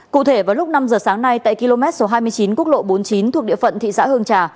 cụ thể vào lúc năm giờ sáng nay tại km số hai mươi chín quốc lộ bốn mươi chín thuộc địa phận thị xã hương trà